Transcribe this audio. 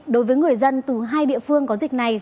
đối với người dân từ hai địa phương có dịch này